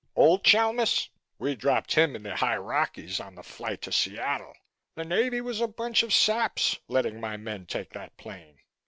Old Chalmis? We dropped him in the High Rockies on the flight to Seattle. The Navy was a bunch of saps, letting my men take that plane.